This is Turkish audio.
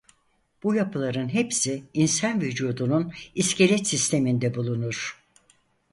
Bu yapıların hepsi insan vücudunun iskelet sisteminde bulunur.